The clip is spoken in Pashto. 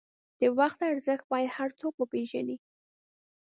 د وخت ارزښت باید هر څوک وپېژني.